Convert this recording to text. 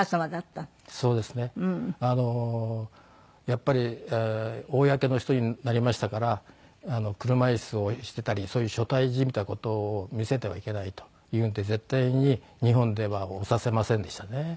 やっぱり公の人になりましたから車椅子を押していたりそういう所帯じみた事を見せてはいけないというんで絶対に日本では押させませんでしたね。